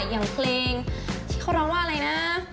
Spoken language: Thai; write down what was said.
อย่างเพลงที่เขาร้องว่าอะไรนะ